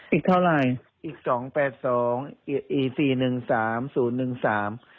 อีกเท่าไหร่อีกสองแปดสองอีกสี่หนึ่งสามศูนย์หนึ่งสาม